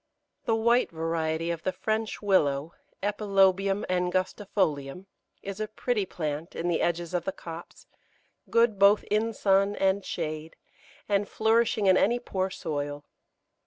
The white variety of the French Willow (Epilobium angustifolium) is a pretty plant in the edges of the copse, good both in sun and shade, and flourishing in any poor soil.